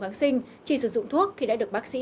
kháng sinh chỉ sử dụng thuốc khi đã được bác sĩ